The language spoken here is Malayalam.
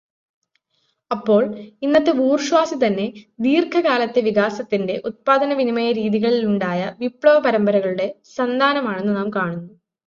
അപ്പോൾ, ഇന്നത്തെ ബൂർഷ്വാസിതന്നെ ദീർഘകാലത്തെ വികാസത്തിന്റെ, ഉത്പാദനവിനിമയരീതികളിലുണ്ടായ വിപ്ലവപരമ്പരകളുടെ, സന്താനമാണെന്നു നാം കാണുന്നു.